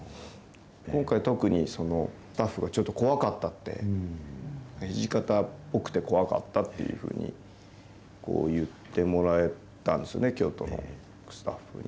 今回、特にスタッフがちょっと怖かったって、土方っぽくて怖かったっていうふうに言ってもらえたんですね、京都のスタッフに。